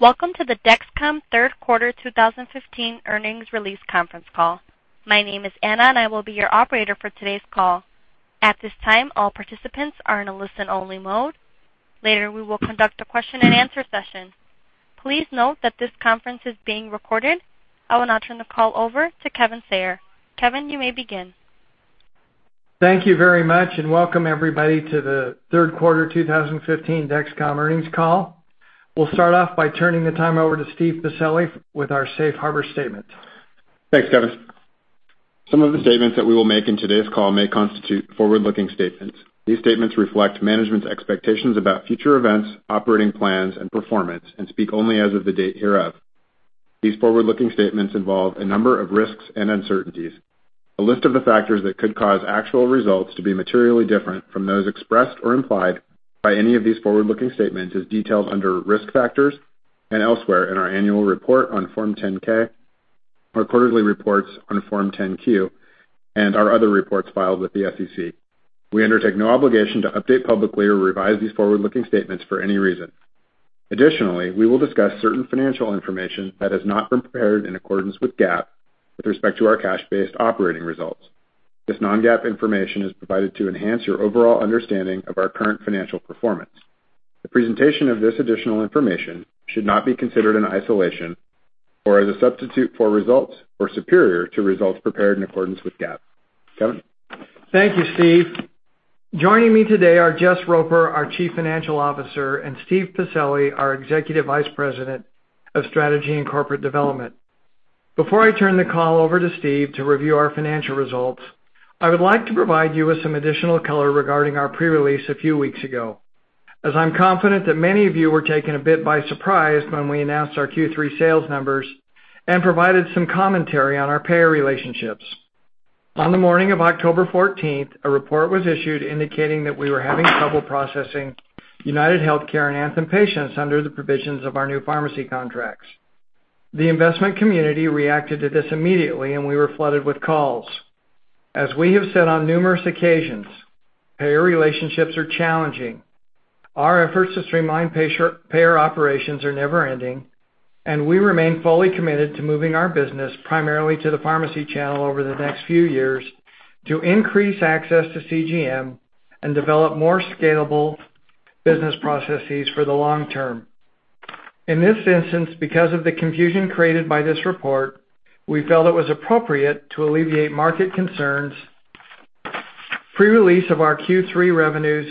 Welcome to the Dexcom third quarter 2015 earnings release conference call. My name is Anna, and I will be your operator for today's call. At this time, all participants are in a listen-only mode. Later, we will conduct a question-and-answer session. Please note that this conference is being recorded. I will now turn the call over to Kevin Sayer. Kevin, you may begin. Thank you very much, and welcome everybody to the third quarter 2015 Dexcom earnings call. We'll start off by turning the time over to Steve Pacelli with our safe harbor statement. Thanks, Kevin. Some of the statements that we will make in today's call may constitute forward-looking statements. These statements reflect management's expectations about future events, operating plans, and performance and speak only as of the date hereof. These forward-looking statements involve a number of risks and uncertainties. A list of the factors that could cause actual results to be materially different from those expressed or implied by any of these forward-looking statements is detailed under Risk Factors and elsewhere in our annual report on Form 10-K, our quarterly reports on Form 10-Q, and our other reports filed with the SEC. We undertake no obligation to update publicly or revise these forward-looking statements for any reason. Additionally, we will discuss certain financial information that has not been prepared in accordance with GAAP with respect to our cash-based operating results. This non-GAAP information is provided to enhance your overall understanding of our current financial performance. The presentation of this additional information should not be considered in isolation or as a substitute for results or superior to results prepared in accordance with GAAP. Kevin? Thank you, Steve. Joining me today are Jess Roper, our Chief Financial Officer, and Steve Pacelli, our Executive Vice President of Strategy and Corporate Development. Before I turn the call over to Steve to review our financial results, I would like to provide you with some additional color regarding our pre-release a few weeks ago, as I'm confident that many of you were taken a bit by surprise when we announced our Q3 sales numbers and provided some commentary on our payer relationships. On the morning of October fourteenth, a report was issued indicating that we were having trouble processing UnitedHealthcare and Anthem patients under the provisions of our new pharmacy contracts. The investment community reacted to this immediately, and we were flooded with calls. As we have said on numerous occasions, payer relationships are challenging. Our efforts to streamline payer operations are never-ending, and we remain fully committed to moving our business primarily to the pharmacy channel over the next few years to increase access to CGM and develop more scalable business processes for the long term. In this instance, because of the confusion created by this report, we felt it was appropriate to alleviate market concerns, pre-release of our Q3 revenues,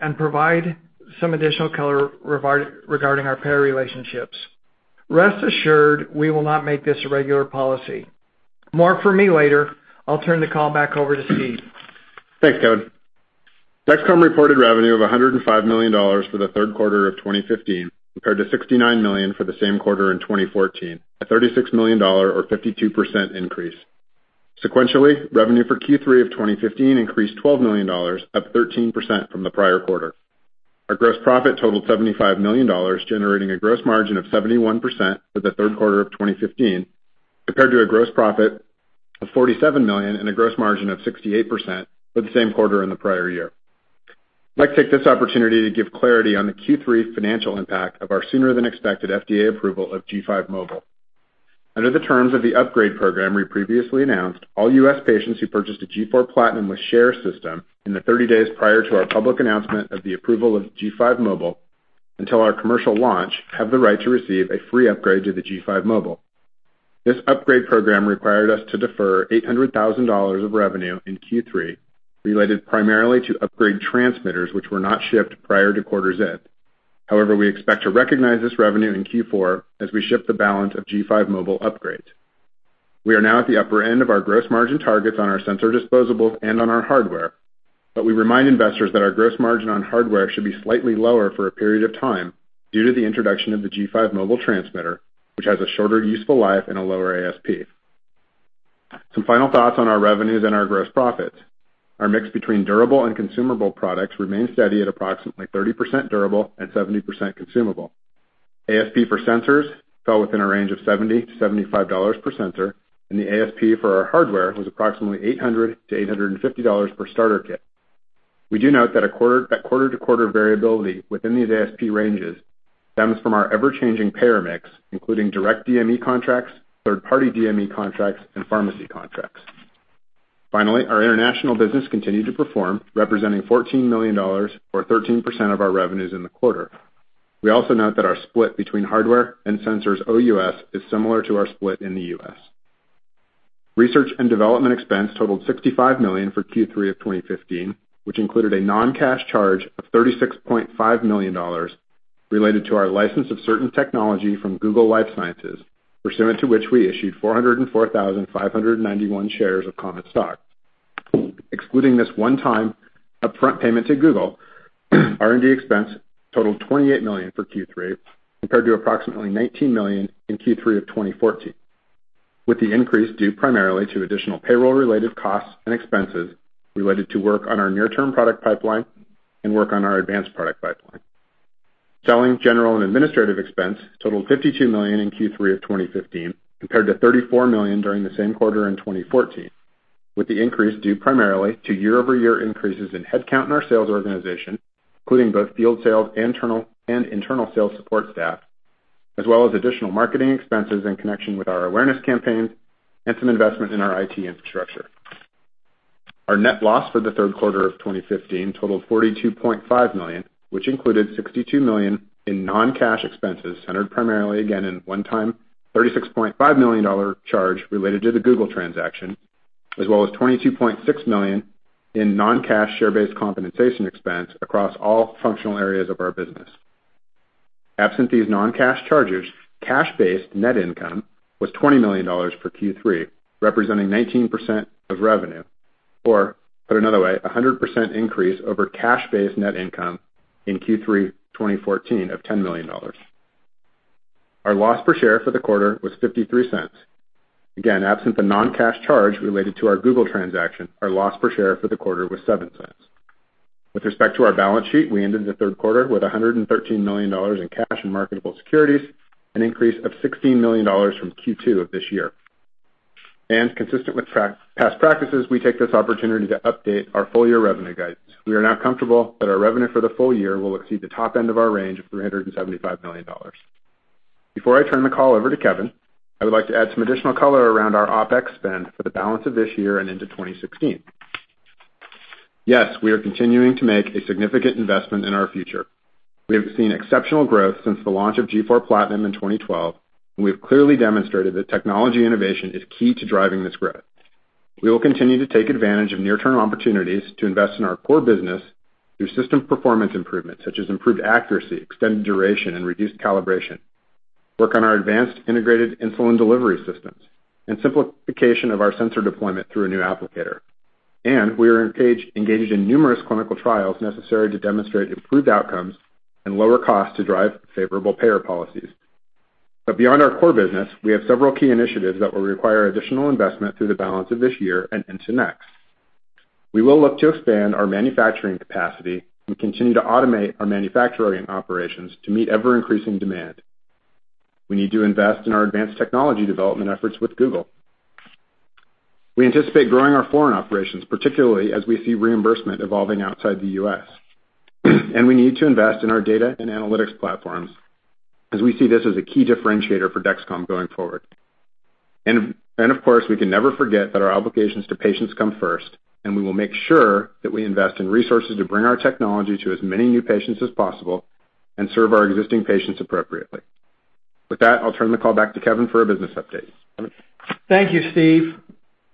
and provide some additional color regarding our payer relationships. Rest assured, we will not make this a regular policy. More from me later. I'll turn the call back over to Steve. Thanks, Kevin. Dexcom reported revenue of $105 million for the third quarter of 2015, compared to $69 million for the same quarter in 2014, a $36 million or 52% increase. Sequentially, revenue for Q3 of 2015 increased $12 million, up 13% from the prior quarter. Our gross profit totaled $75 million, generating a gross margin of 71% for the third quarter of 2015, compared to a gross profit of $47 million and a gross margin of 68% for the same quarter in the prior year. I'd like to take this opportunity to give clarity on the Q3 financial impact of our sooner-than-expected FDA approval of G5 Mobile. Under the terms of the upgrade program we previously announced, all U.S. patients who purchased a G4 PLATINUM with Share system in the 30 days prior to our public announcement of the approval of G5 Mobile until our commercial launch have the right to receive a free upgrade to the G5 Mobile. This upgrade program required us to defer $800,000 of revenue in Q3 related primarily to upgrade transmitters which were not shipped prior to quarter's end. However, we expect to recognize this revenue in Q4 as we ship the balance of G5 Mobile upgrades. We are now at the upper end of our gross margin targets on our sensor disposables and on our hardware, but we remind investors that our gross margin on hardware should be slightly lower for a period of time due to the introduction of the G5 Mobile transmitter, which has a shorter useful life and a lower ASP. Some final thoughts on our revenues and our gross profits. Our mix between durable and consumable products remains steady at approximately 30% durable and 70% consumable. ASP for sensors fell within a range of $70-$75 per sensor, and the ASP for our hardware was approximately $800-$850 per starter kit. We do note that quarter-to-quarter variability within these ASP ranges stems from our ever-changing payer mix, including direct DME contracts, third-party DME contracts, and pharmacy contracts. Finally, our international business continued to perform, representing $14 million or 13% of our revenues in the quarter. We also note that our split between hardware and sensors OUS is similar to our split in the US. Research and development expense totaled $65 million for Q3 of 2015, which included a non-cash charge of $36.5 million related to our license of certain technology from Google Life Sciences, pursuant to which we issued 404,591 shares of common stock. Excluding this one-time upfront payment to Google, R&D expense totaled $28 million for Q3 compared to approximately $19 million in Q3 of 2014, with the increase due primarily to additional payroll-related costs and expenses related to work on our near-term product pipeline and work on our advanced product pipeline. Selling, general, and administrative expense totaled $52 million in Q3 of 2015 compared to $34 million during the same quarter in 2014. With the increase due primarily to year-over-year increases in headcount in our sales organization, including both field sales and internal sales support staff, as well as additional marketing expenses in connection with our awareness campaigns and some investment in our IT infrastructure. Our net loss for the third quarter of 2015 totaled $42.5 million, which included $62 million in non-cash expenses, centered primarily again in one-time $36.5 million-dollar charge related to the Google transaction, as well as $22.6 million in non-cash share-based compensation expense across all functional areas of our business. Absent these non-cash charges, cash-based net income was $20 million for Q3, representing 19% of revenue. Put another way, 100% increase over cash-based net income in Q3 2014 of $10 million. Our loss per share for the quarter was $0.53. Again, absent the non-cash charge related to our Google transaction, our loss per share for the quarter was $0.07. With respect to our balance sheet, we ended the third quarter with $113 million in cash and marketable securities, an increase of $16 million from Q2 of this year. Consistent with past practices, we take this opportunity to update our full-year revenue guidance. We are now comfortable that our revenue for the full year will exceed the top end of our range of $375 million. Before I turn the call over to Kevin, I would like to add some additional color around our OpEx spend for the balance of this year and into 2016. Yes, we are continuing to make a significant investment in our future. We have seen exceptional growth since the launch of G4 PLATINUM in 2012, and we have clearly demonstrated that technology innovation is key to driving this growth. We will continue to take advantage of near-term opportunities to invest in our core business through system performance improvements such as improved accuracy, extended duration, and reduced calibration, work on our advanced integrated insulin delivery systems, and simplification of our sensor deployment through a new applicator. We are engaged in numerous clinical trials necessary to demonstrate improved outcomes and lower costs to drive favorable payer policies. Beyond our core business, we have several key initiatives that will require additional investment through the balance of this year and into next. We will look to expand our manufacturing capacity and continue to automate our manufacturing operations to meet ever-increasing demand. We need to invest in our advanced technology development efforts with Google. We anticipate growing our foreign operations, particularly as we see reimbursement evolving outside the U.S. We need to invest in our data and analytics platforms as we see this as a key differentiator for Dexcom going forward. Of course, we can never forget that our obligations to patients come first, and we will make sure that we invest in resources to bring our technology to as many new patients as possible and serve our existing patients appropriately. With that, I'll turn the call back to Kevin for a business update. Kevin? Thank you, Steve.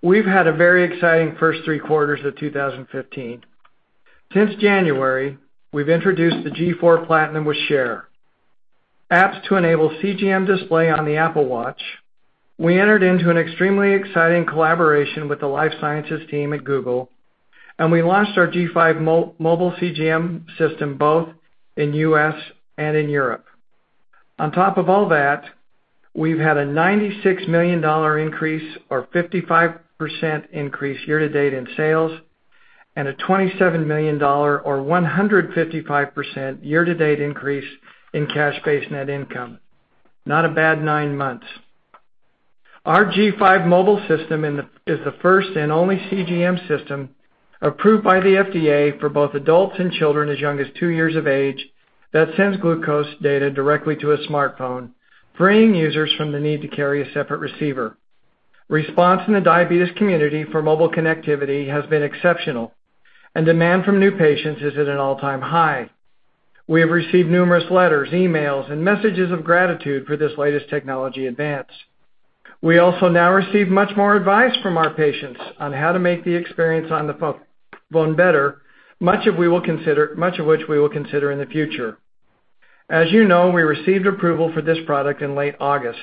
We've had a very exciting first three quarters of 2015. Since January, we've introduced the G4 PLATINUM with Share apps to enable CGM display on the Apple Watch. We entered into an extremely exciting collaboration with the life sciences team at Google, and we launched our G5 Mobile CGM System, both in U.S. and in Europe. On top of all that, we've had a $96 million increase or 55% increase year-to-date in sales and a $27 million or 155% year-to-date increase in cash-based net income. Not a bad nine months. Our G5 Mobile system is the first and only CGM system approved by the FDA for both adults and children as young as 2 years of age that sends glucose data directly to a smartphone, freeing users from the need to carry a separate receiver. Response in the diabetes community for mobile connectivity has been exceptional, and demand from new patients is at an all-time high. We have received numerous letters, emails, and messages of gratitude for this latest technology advance. We also now receive much more advice from our patients on how to make the experience on the phone better, much of which we will consider in the future. As you know, we received approval for this product in late August,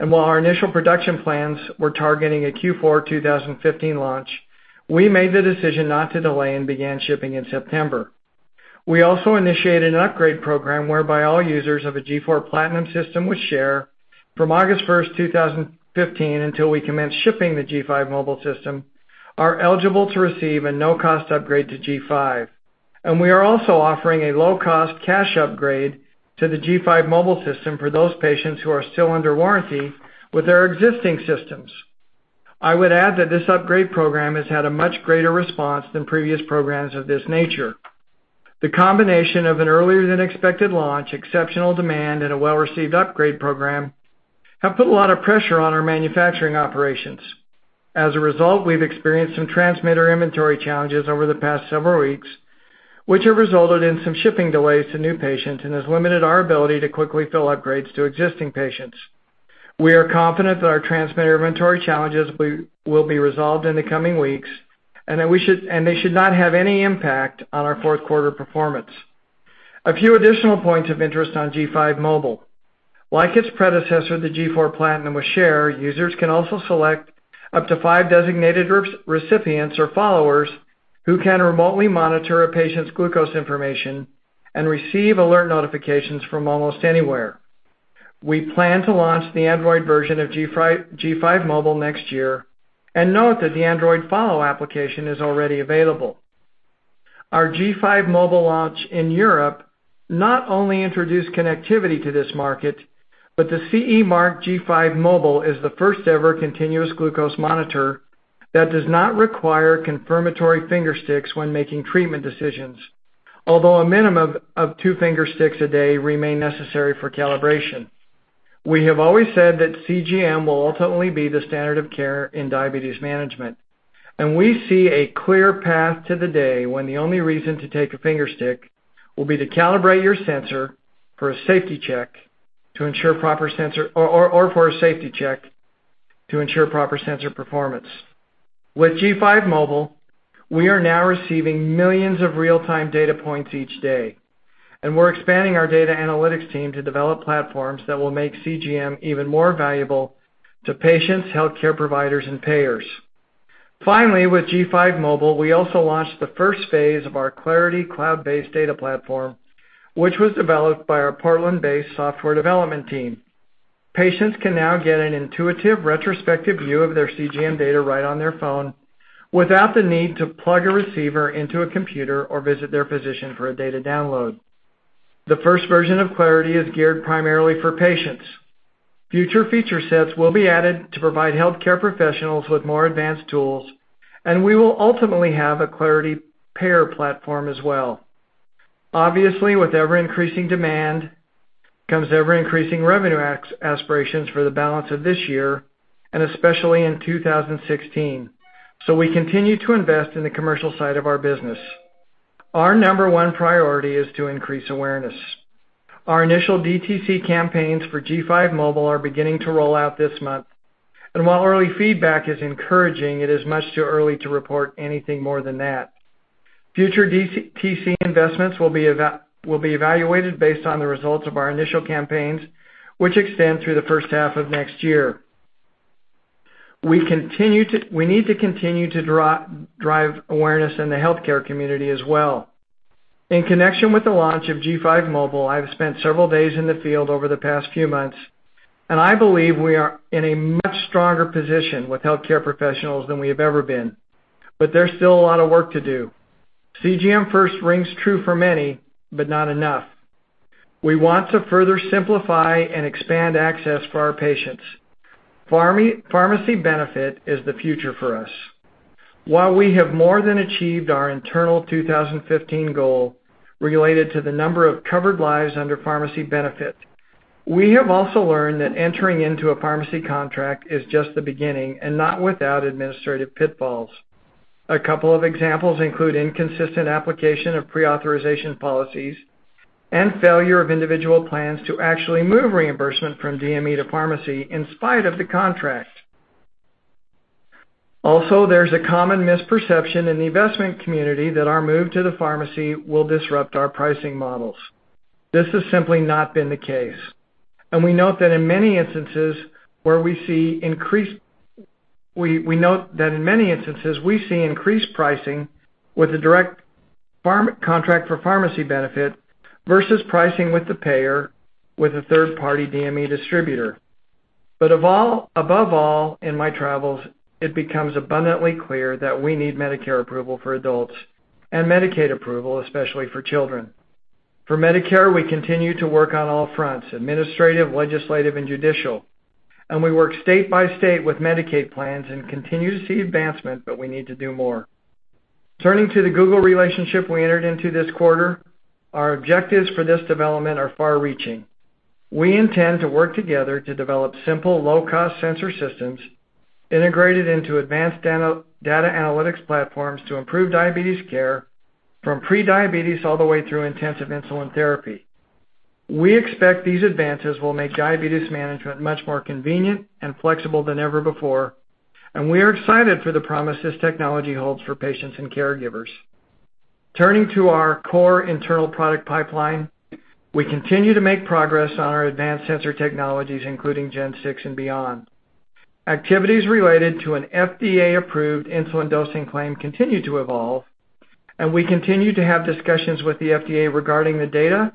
and while our initial production plans were targeting a Q4 2015 launch, we made the decision not to delay and began shipping in September. We also initiated an upgrade program whereby all users of a G4 PLATINUM system with Share from August 1, 2015 until we commence shipping the G5 Mobile system are eligible to receive a no-cost upgrade to G5. We are also offering a low-cost cash upgrade to the G5 Mobile system for those patients who are still under warranty with their existing systems. I would add that this upgrade program has had a much greater response than previous programs of this nature. The combination of an earlier than expected launch, exceptional demand, and a well-received upgrade program have put a lot of pressure on our manufacturing operations. As a result, we've experienced some transmitter inventory challenges over the past several weeks, which have resulted in some shipping delays to new patients and has limited our ability to quickly fill upgrades to existing patients. We are confident that our transmitter inventory challenges will be resolved in the coming weeks and that they should not have any impact on our fourth quarter performance. A few additional points of interest on G5 Mobile. Like its predecessor, the G4 PLATINUM with Share, users can also select up to five designated recipients or followers who can remotely monitor a patient's glucose information and receive alert notifications from almost anywhere. We plan to launch the Android version of G5 Mobile next year. Note that the Android Follow application is already available. Our G5 Mobile launch in Europe not only introduced connectivity to this market, but the CE Mark G5 Mobile is the first-ever continuous glucose monitor that does not require confirmatory finger sticks when making treatment decisions. Although a minimum of two finger sticks a day remain necessary for calibration. We have always said that CGM will ultimately be the standard of care in diabetes management, and we see a clear path to the day when the only reason to take a finger stick will be to calibrate your sensor for a safety check to ensure proper sensor performance. With G5 Mobile, we are now receiving millions of real-time data points each day, and we're expanding our data analytics team to develop platforms that will make CGM even more valuable to patients, healthcare providers, and payers. Finally, with G5 Mobile, we also launched the first phase of our Clarity cloud-based data platform, which was developed by our Portland-based software development team. Patients can now get an intuitive retrospective view of their CGM data right on their phone without the need to plug a receiver into a computer or visit their physician for a data download. The first version of Clarity is geared primarily for patients. Future feature sets will be added to provide healthcare professionals with more advanced tools, and we will ultimately have a Clarity payer platform as well. Obviously, with ever-increasing demand comes ever-increasing revenue aspirations for the balance of this year and especially in 2016. We continue to invest in the commercial side of our business. Our number one priority is to increase awareness. Our initial DTC campaigns for G5 Mobile are beginning to roll out this month, and while early feedback is encouraging, it is much too early to report anything more than that. Future DTC investments will be evaluated based on the results of our initial campaigns, which extend through the first half of next year. We need to continue to drive awareness in the healthcare community as well. In connection with the launch of G5 Mobile, I've spent several days in the field over the past few months, and I believe we are in a much stronger position with healthcare professionals than we have ever been. There's still a lot of work to do. CGM first rings true for many, but not enough. We want to further simplify and expand access for our patients. Pharmacy benefit is the future for us. While we have more than achieved our internal 2015 goal related to the number of covered lives under pharmacy benefit, we have also learned that entering into a pharmacy contract is just the beginning and not without administrative pitfalls. A couple of examples include inconsistent application of prior authorization policies and failure of individual plans to actually move reimbursement from DME to pharmacy in spite of the contract. Also, there's a common misperception in the investment community that our move to the pharmacy will disrupt our pricing models. This has simply not been the case. We note that in many instances, we see increased pricing with the direct pharmacy contract for pharmacy benefit versus pricing with the payer with a third-party DME distributor. Above all, in my travels, it becomes abundantly clear that we need Medicare approval for adults and Medicaid approval, especially for children. For Medicare, we continue to work on all fronts, administrative, legislative, and judicial, and we work state by state with Medicaid plans and continue to see advancement, but we need to do more. Turning to the Google relationship we entered into this quarter, our objectives for this development are far-reaching. We intend to work together to develop simple, low-cost sensor systems integrated into advanced data analytics platforms to improve diabetes care from prediabetes all the way through intensive insulin therapy. We expect these advances will make diabetes management much more convenient and flexible than ever before, and we are excited for the promise this technology holds for patients and caregivers. Turning to our core internal product pipeline, we continue to make progress on our advanced sensor technologies, including G6 and beyond. Activities related to an FDA-approved insulin dosing claim continue to evolve, and we continue to have discussions with the FDA regarding the data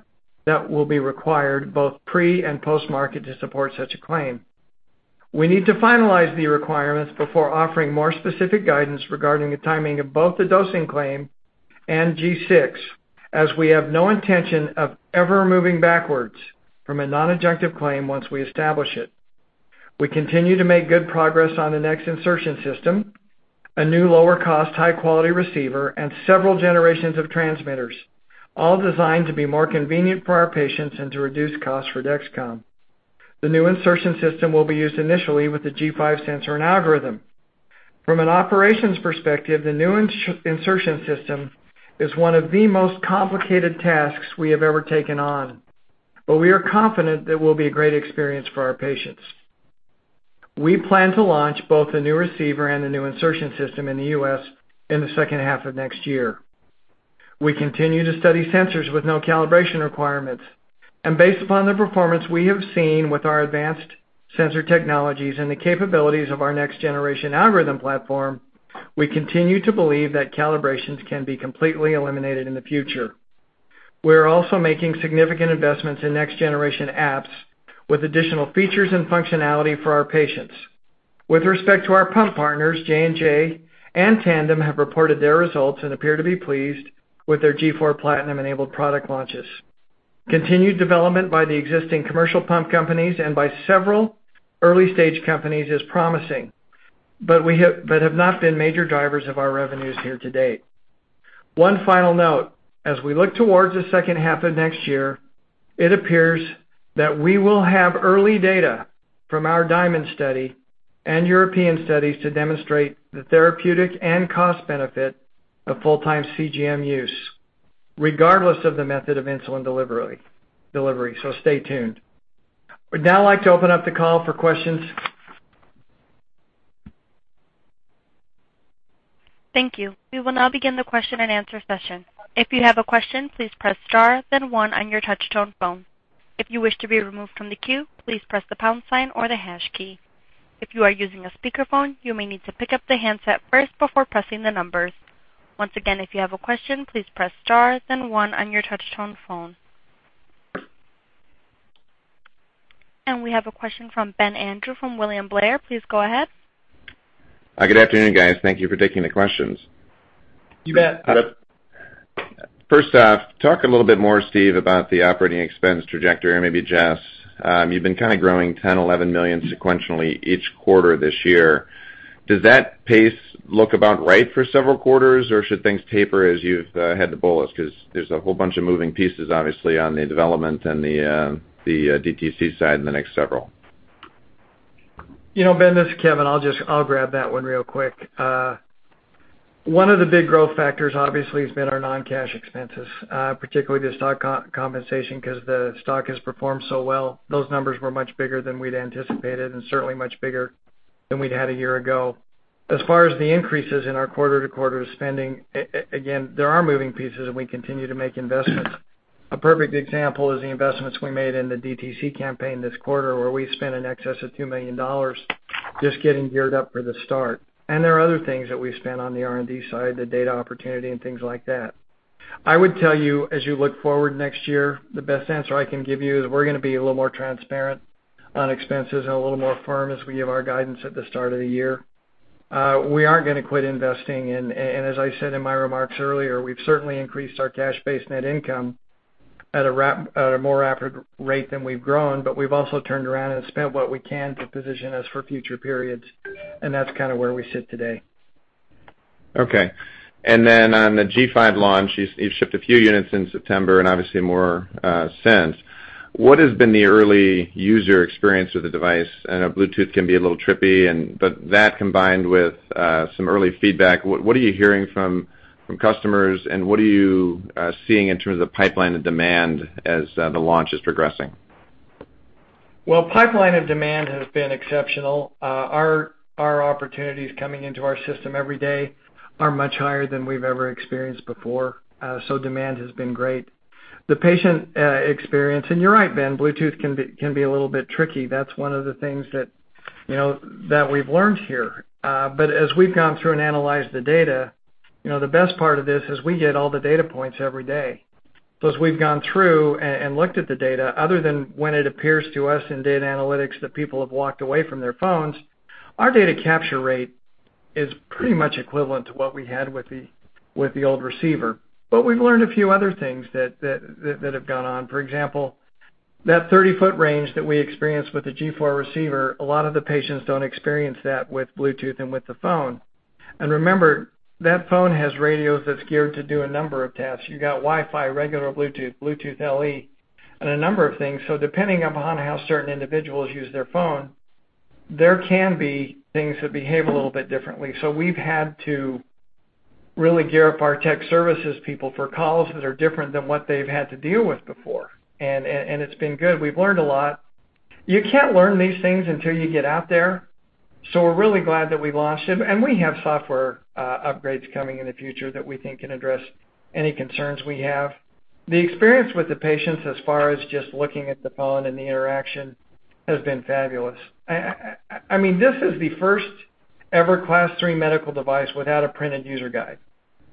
that will be required both pre- and post-market to support such a claim. We need to finalize the requirements before offering more specific guidance regarding the timing of both the dosing claim and G6, as we have no intention of ever moving backwards from a non-adjunctive claim once we establish it. We continue to make good progress on the next insertion system, a new lower-cost, high-quality receiver, and several generations of transmitters, all designed to be more convenient for our patients and to reduce costs for Dexcom. The new insertion system will be used initially with the G5 sensor and algorithm. From an operations perspective, the new insertion system is one of the most complicated tasks we have ever taken on, but we are confident that it will be a great experience for our patients. We plan to launch both the new receiver and the new insertion system in the U.S. in the second half of next year. We continue to study sensors with no calibration requirements. Based upon the performance we have seen with our advanced sensor technologies and the capabilities of our next-generation algorithm platform, we continue to believe that calibrations can be completely eliminated in the future. We are also making significant investments in next-generation apps with additional features and functionality for our patients. With respect to our pump partners, J&J and Tandem have reported their results and appear to be pleased with their G4 PLATINUM-enabled product launches. Continued development by the existing commercial pump companies and by several early-stage companies is promising, but have not been major drivers of our revenues here to date. One final note. As we look towards the second half of next year, it appears that we will have early data from our DIaMonD study and European studies to demonstrate the therapeutic and cost benefit of full-time CGM use, regardless of the method of insulin delivery. Stay tuned. I would now like to open up the call for questions. Thank you. We will now begin the question-and-answer session. If you have a question, please press star then one on your touch-tone phone. If you wish to be removed from the queue, please press the pound sign or the hash key. If you are using a speakerphone, you may need to pick up the handset first before pressing the numbers. Once again, if you have a question, please press star then one on your touch-tone phone. We have a question from Ben Andrew from William Blair. Please go ahead. Hi. Good afternoon, guys. Thank you for taking the questions. You bet. First off, talk a little bit more, Steve, about the operating expense trajectory, maybe Jess. You've been kind of growing $10-$11 million sequentially each quarter this year. Does that pace look about right for several quarters, or should things taper as you've had the buildouts? Because there's a whole bunch of moving pieces, obviously, on the development and the DTC side in the next several. You know, Ben, this is Kevin. I'll grab that one real quick. One of the big growth factors obviously has been our non-cash expenses, particularly the stock compensation because the stock has performed so well. Those numbers were much bigger than we'd anticipated and certainly much bigger than we'd had a year ago. As far as the increases in our quarter-to-quarter spending, again, there are moving pieces, and we continue to make investments. A perfect example is the investments we made in the DTC campaign this quarter, where we spent in excess of $2 million just getting geared up for the start. There are other things that we've spent on the R&D side, the data opportunity and things like that. I would tell you, as you look forward next year, the best answer I can give you is we're gonna be a little more transparent on expenses and a little more firm as we give our guidance at the start of the year. We aren't gonna quit investing. As I said in my remarks earlier, we've certainly increased our cash base net income at a more rapid rate than we've grown, but we've also turned around and spent what we can to position us for future periods, and that's kind of where we sit today. Okay. On the G5 launch, you've shipped a few units in September and obviously more since. What has been the early user experience with the device? I know Bluetooth can be a little trippy, but that combined with some early feedback, what are you hearing from customers, and what are you seeing in terms of pipeline and demand as the launch is progressing? Well, pipeline and demand has been exceptional. Our opportunities coming into our system every day are much higher than we've ever experienced before. Demand has been great. The patient experience, and you're right, Ben, Bluetooth can be a little bit tricky. That's one of the things that, you know, that we've learned here. As we've gone through and analyzed the data, you know, the best part of this is we get all the data points every day. As we've gone through and looked at the data, other than when it appears to us in data analytics that people have walked away from their phones, our data capture rate is pretty much equivalent to what we had with the old receiver. We've learned a few other things that have gone on. For example, that 30-foot range that we experienced with the G4 receiver, a lot of the patients don't experience that with Bluetooth and with the phone. Remember, that phone has radios that's geared to do a number of tasks. You got Wi-Fi, regular Bluetooth LE, and a number of things. Depending upon how certain individuals use their phone, there can be things that behave a little bit differently. We've had to really gear up our tech services people for calls that are different than what they've had to deal with before. It's been good. We've learned a lot. You can't learn these things until you get out there, so we're really glad that we launched it. We have software, upgrades coming in the future that we think can address any concerns we have. The experience with the patients as far as just looking at the phone and the interaction has been fabulous. I mean, this is the first-ever Class 3 medical device without a printed user guide.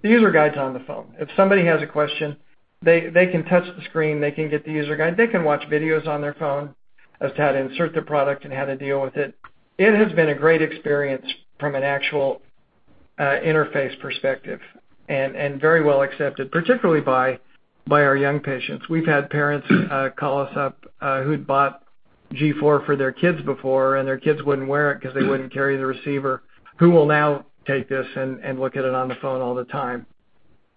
The user guide's on the phone. If somebody has a question, they can touch the screen. They can get the user guide. They can watch videos on their phone as to how to insert the product and how to deal with it. It has been a great experience from an actual interface perspective and very well accepted, particularly by our young patients. We've had parents call us up who'd bought G4 for their kids before, and their kids wouldn't wear it because they wouldn't carry the receiver, who will now take this and look at it on the phone all the time.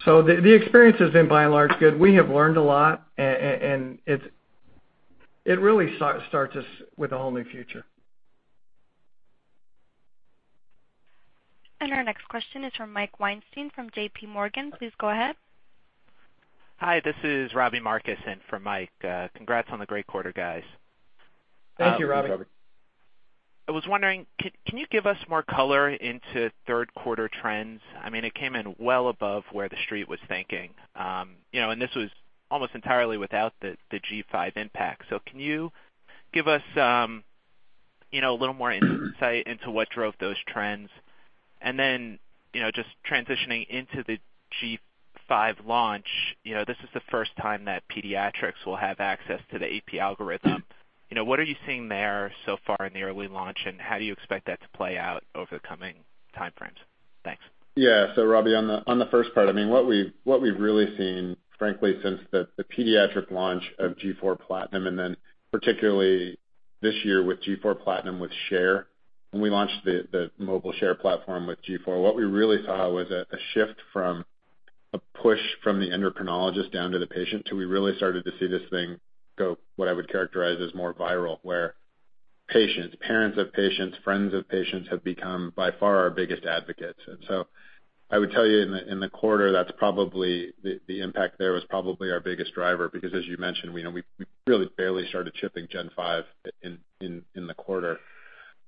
The experience has been by and large good. We have learned a lot, and it really starts us with a whole new future. Our next question is from Mike Weinstein from JPMorgan. Please go ahead. Hi, this is Robbie Marcus in for Mike. Congrats on the great quarter, guys. Thank you, Robbie. Thanks, Robbie. I was wondering, can you give us more color into third quarter trends? I mean, it came in well above where the street was thinking. You know, this was almost entirely without the G5 impact. So can you give us you know, a little more insight into what drove those trends. Then, you know, just transitioning into the G5 launch, you know, this is the first time that pediatrics will have access to the AP algorithm. You know, what are you seeing there so far in the early launch, and how do you expect that to play out over the coming time frames? Thanks. Yeah. Robbie, on the first part, I mean, what we've really seen, frankly, since the pediatric launch of G4 PLATINUM, and then particularly this year with G4 PLATINUM with Share, when we launched the mobile Share platform with G4, what we really saw was a shift from a push from the endocrinologist down to the patient till we really started to see this thing go, what I would characterize as more viral, where patients, parents of patients, friends of patients have become by far our biggest advocates. I would tell you in the quarter, that's probably the impact there was probably our biggest driver because as you mentioned, we know we really barely started shipping G5 in the quarter.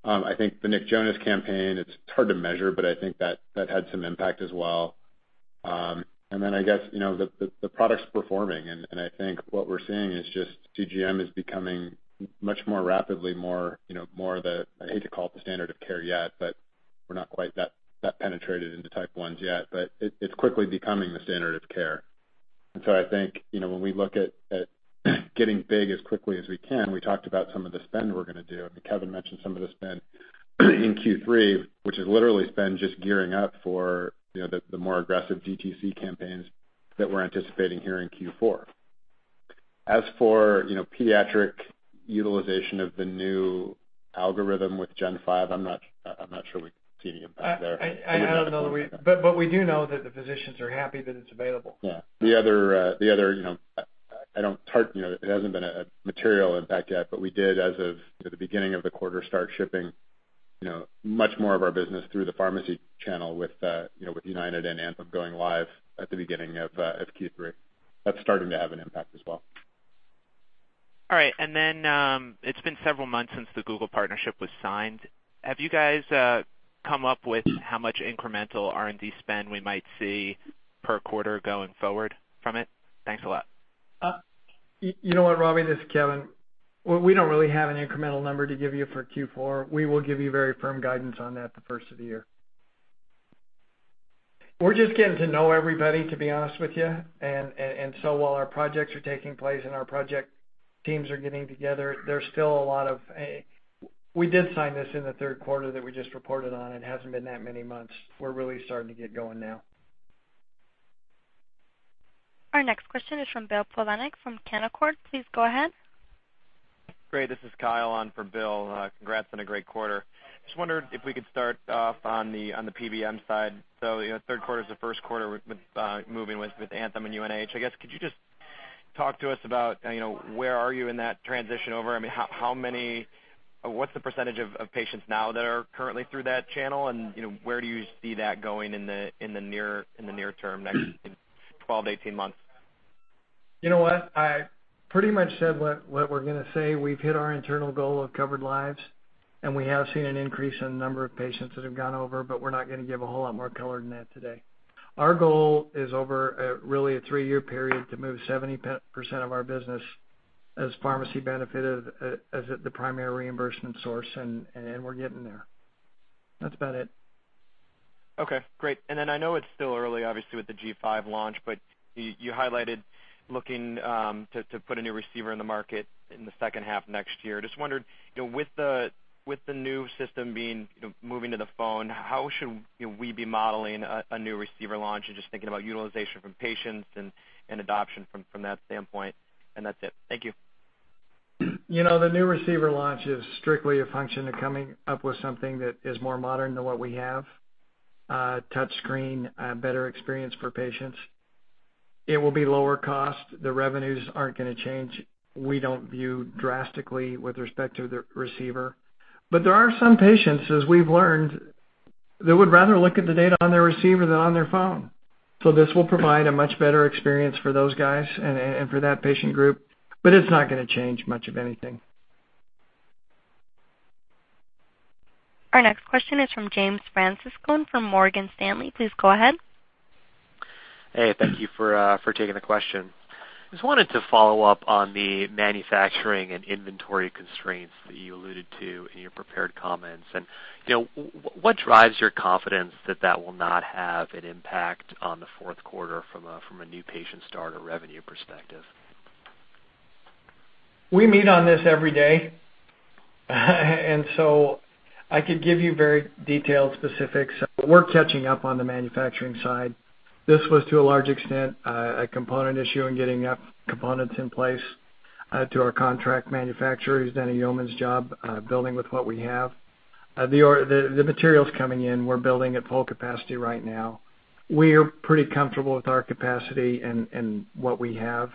I think the Nick Jonas campaign, it's hard to measure, but I think that had some impact as well. I guess, you know, the product's performing and I think what we're seeing is just CGM is becoming much more rapidly more the standard of care. I hate to call it the standard of care yet, but we're not quite that penetrated into type ones yet, but it's quickly becoming the standard of care. I think, you know, when we look at getting big as quickly as we can, we talked about some of the spend we're gonna do, and Kevin mentioned some of the spend in Q3, which is literally spend just gearing up for, you know, the more aggressive DTC campaigns that we're anticipating here in Q4. As for, you know, pediatric utilization of the new algorithm with Gen 5, I'm not sure we've seen any impact there. We do know that the physicians are happy that it's available. Yeah. The other, you know, I don't think, you know, it hasn't been a material impact yet, but we did as of the beginning of the quarter start shipping, you know, much more of our business through the pharmacy channel with, you know, with United and Anthem going live at the beginning of Q3. That's starting to have an impact as well. All right. It's been several months since the Google partnership was signed. Have you guys come up with how much incremental R&D spend we might see per quarter going forward from it? Thanks a lot. You know what, Robbie? This is Kevin. We don't really have an incremental number to give you for Q4. We will give you very firm guidance on that the first of the year. We're just getting to know everybody, to be honest with you. So while our projects are taking place and our project teams are getting together, there's still a lot. We did sign this in the third quarter that we just reported on. It hasn't been that many months. We're really starting to get going now. Our next question is from Bill Plovanic from Canaccord. Please go ahead. Great. This is Kyle on for Bill. Congrats on a great quarter. Just wondered if we could start off on the PBM side. You know, third quarter is the first quarter with moving with Anthem and UNH. I guess could you just talk to us about, you know, where are you in that transition over? I mean, how many or what's the percentage of patients now that are currently through that channel? You know, where do you see that going in the near term, next 12-18 months? You know what? I pretty much said what we're gonna say. We've hit our internal goal of covered lives, and we have seen an increase in number of patients that have gone over, but we're not gonna give a whole lot more color than that today. Our goal is over a really a three-year period to move 70% of our business as pharmacy benefit as the primary reimbursement source, and we're getting there. That's about it. Okay, great. I know it's still early obviously with the G5 launch, but you highlighted looking to put a new receiver in the market in the second half of next year. Just wondered, you know, with the new system being, you know, moving to the phone, how should, you know, we be modeling a new receiver launch and just thinking about utilization from patients and adoption from that standpoint? That's it. Thank you. You know, the new receiver launch is strictly a function of coming up with something that is more modern than what we have. Touchscreen, a better experience for patients. It will be lower cost. The revenues aren't gonna change. We don't view drastically with respect to the receiver. There are some patients, as we've learned, that would rather look at the data on their receiver than on their phone. This will provide a much better experience for those guys and for that patient group, but it's not gonna change much of anything. Our next question is from David Lewis from Morgan Stanley. Please go ahead. Hey, thank you for taking the question. Just wanted to follow up on the manufacturing and inventory constraints that you alluded to in your prepared comments. You know, what drives your confidence that that will not have an impact on the fourth quarter from a new patient start or revenue perspective? We meet on this every day. I could give you very detailed specifics. We're catching up on the manufacturing side. This was, to a large extent, a component issue and getting components in place to our contract manufacturer who's done a yeoman's job building with what we have. The material's coming in. We're building at full capacity right now. We are pretty comfortable with our capacity and what we have.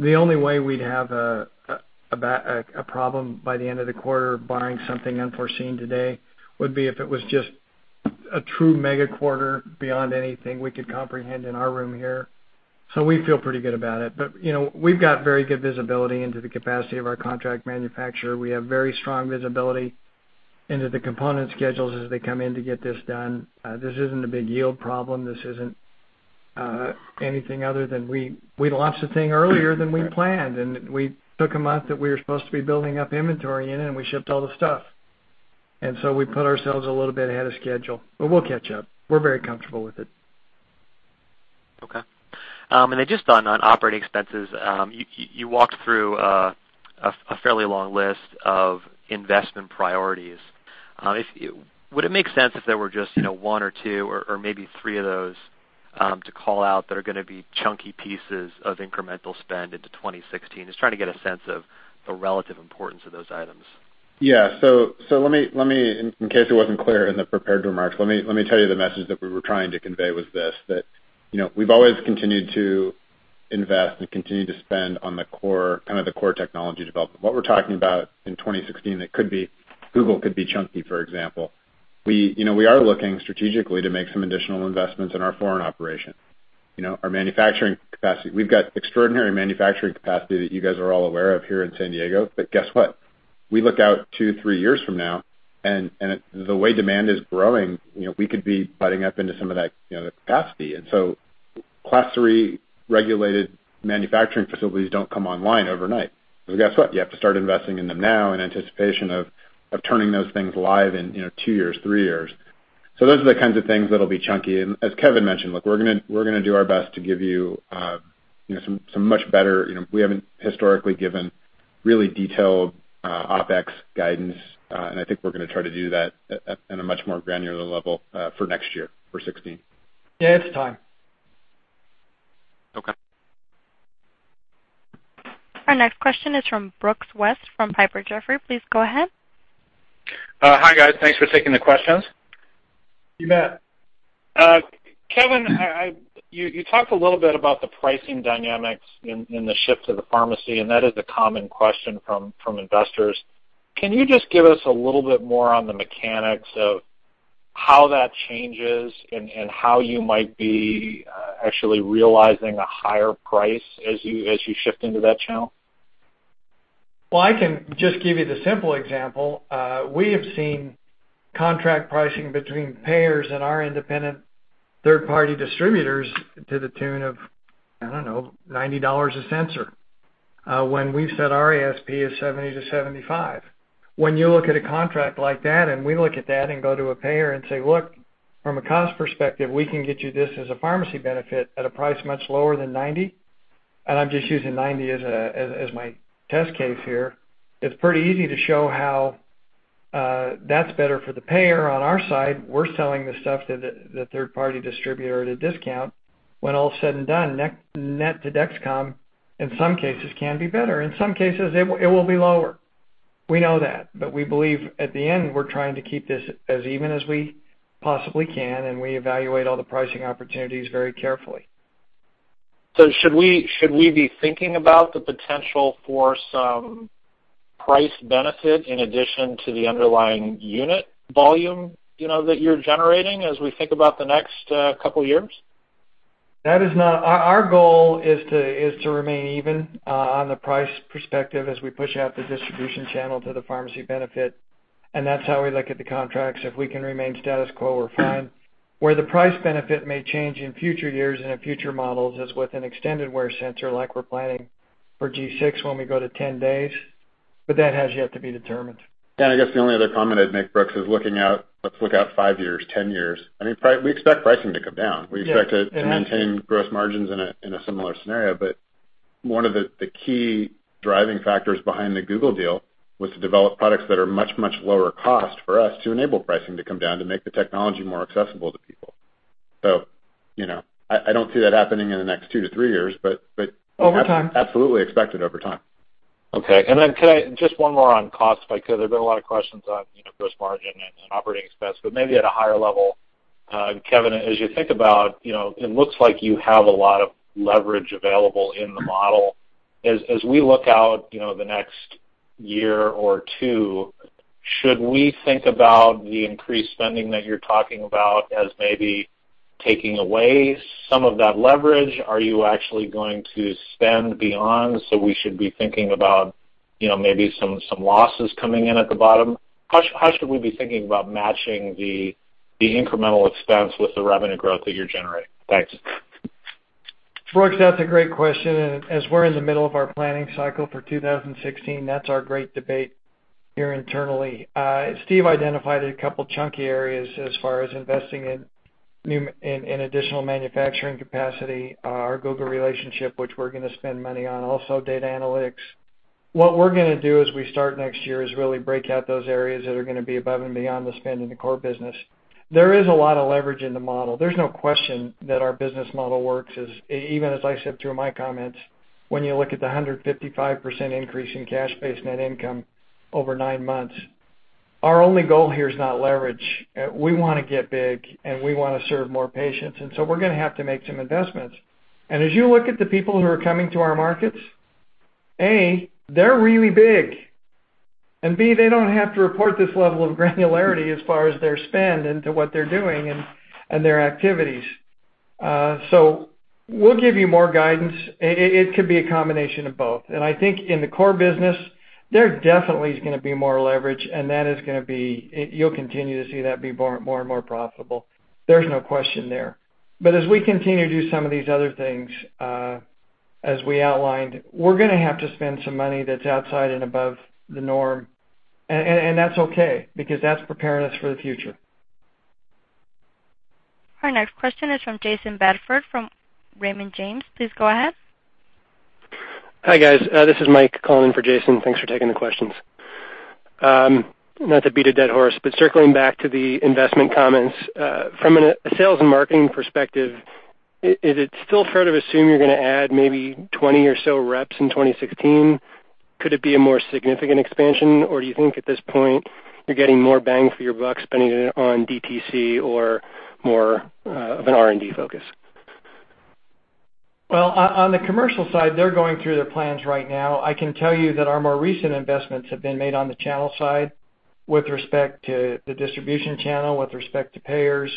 The only way we'd have a problem by the end of the quarter barring something unforeseen today would be if it was just a true mega quarter beyond anything we could comprehend in our room here. We feel pretty good about it. You know, we've got very good visibility into the capacity of our contract manufacturer. We have very strong visibility into the component schedules as they come in to get this done. This isn't a big yield problem. This isn't anything other than we launched the thing earlier than we planned, and we took a month that we were supposed to be building up inventory in, and we shipped all the stuff. We put ourselves a little bit ahead of schedule, but we'll catch up. We're very comfortable with it. Okay. Just on operating expenses, you walked through a fairly long list of investment priorities. Would it make sense if there were just, you know, one or two or maybe three of those to call out that are gonna be chunky pieces of incremental spend into 2016? Just trying to get a sense of the relative importance of those items. Yeah. Let me, in case it wasn't clear in the prepared remarks, let me tell you the message that we were trying to convey was this, that, you know, we've always continued to invest and continue to spend on the core, kind of the core technology development. What we're talking about in 2016 that could be, Google could be chunky, for example, you know, we are looking strategically to make some additional investments in our foreign operations. You know, our manufacturing capacity. We've got extraordinary manufacturing capacity that you guys are all aware of here in San Diego, but guess what? We look out 2, 3 years from now, and the way demand is growing, you know, we could be butting up into some of that, you know, the capacity. Class III regulated manufacturing facilities don't come online overnight. Guess what? You have to start investing in them now in anticipation of turning those things live in two years, three years. Those are the kinds of things that'll be chunky. As Kevin mentioned, look, we're gonna do our best to give you some much better. We haven't historically given really detailed OpEx guidance, and I think we're gonna try to do that in a much more granular level for next year, for 2016. Dan, it's time. Okay. Our next question is from Brooks West from Piper Jaffray. Please go ahead. Hi, guys. Thanks for taking the questions. Hey, Matt. Kevin, you talked a little bit about the pricing dynamics in the shift to the pharmacy, and that is a common question from investors. Can you just give us a little bit more on the mechanics of how that changes and how you might be actually realizing a higher price as you shift into that channel? Well, I can just give you the simple example. We have seen contract pricing between payers and our independent third-party distributors to the tune of, I don't know, $90 a sensor, when we've set our ASP at 70-75. When you look at a contract like that, and we look at that and go to a payer and say, "Look, from a cost perspective, we can get you this as a pharmacy benefit at a price much lower than 90," and I'm just using 90 as my test case here, it's pretty easy to show how that's better for the payer. On our side, we're selling the stuff to the third-party distributor at a discount. When all is said and done, net to Dexcom, in some cases, can be better. In some cases, it will be lower. We know that. We believe at the end, we're trying to keep this as even as we possibly can, and we evaluate all the pricing opportunities very carefully. Should we be thinking about the potential for some price benefit in addition to the underlying unit volume, you know, that you're generating as we think about the next couple years? Our goal is to remain even on the price perspective as we push out the distribution channel to the pharmacy benefit, and that's how we look at the contracts. If we can remain status quo, we're fine. Where the price benefit may change in future years and in future models is with an extended wear sensor like we're planning for G6 when we go to 10 days, but that has yet to be determined. Dan, I guess the only other comment I'd make, Brooks, is looking out, let's look out 5 years, 10 years. I mean, we expect pricing to come down. Yes. We expect to maintain gross margins in a similar scenario, but one of the key driving factors behind the Google deal was to develop products that are much lower cost for us to enable pricing to come down to make the technology more accessible to people. You know, I don't see that happening in the next 2-3 years, but Over time. Absolutely, expect it over time. Okay. Could I just have one more on cost, if I could. There's been a lot of questions on, you know, gross margin and operating expense, but maybe at a higher level, Kevin, as you think about, you know, it looks like you have a lot of leverage available in the model. As we look out, you know, the next year or two, should we think about the increased spending that you're talking about as maybe taking away some of that leverage? Are you actually going to spend beyond, so we should be thinking about, you know, maybe some losses coming in at the bottom? How should we be thinking about matching the incremental expense with the revenue growth that you're generating? Thanks. Brooks West, that's a great question, as we're in the middle of our planning cycle for 2016, that's our great debate here internally. Steve Pacelli identified a couple chunky areas as far as investing in additional manufacturing capacity, our Google relationship, which we're gonna spend money on, also data analytics. What we're gonna do as we start next year is really break out those areas that are gonna be above and beyond the spend in the core business. There is a lot of leverage in the model. There's no question that our business model works as even as I said through my comments, when you look at the 155% increase in cash basis net income over 9 months. Our only goal here is not leverage. We wanna get big, and we wanna serve more patients, and so we're gonna have to make some investments. As you look at the people who are coming to our markets, A, they're really big, and B, they don't have to report this level of granularity as far as their spend into what they're doing and their activities. We'll give you more guidance. It could be a combination of both. I think in the core business, there definitely is gonna be more leverage, and that is gonna be. You'll continue to see that be more and more profitable. There's no question there. As we continue to do some of these other things, as we outlined, we're gonna have to spend some money that's outside and above the norm. That's okay because that's preparing us for the future. Our next question is from Jayson Bedford from Raymond James. Please go ahead. Hi, guys. This is Mike calling for Jayson. Thanks for taking the questions. Not to beat a dead horse, but circling back to the investment comments, from a sales and marketing perspective, is it still fair to assume you're gonna add maybe 20 or so reps in 2016? Could it be a more significant expansion, or do you think at this point you're getting more bang for your buck spending it on DTC or more of an R&D focus? Well, on the commercial side, they're going through their plans right now. I can tell you that our more recent investments have been made on the channel side with respect to the distribution channel, with respect to payers,